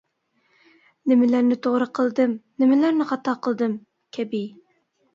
«نېمىلەرنى توغرا قىلدىم؟ نېمىلەرنى خاتا قىلدىم؟ » كەبى.